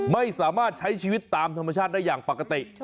ไม่สามารถใช้ชีวิตตามธรรมชาติได้อย่างปกติ